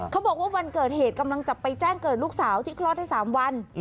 บอกว่าวันเกิดเหตุกำลังจะไปแจ้งเกิดลูกสาวที่คลอดได้๓วัน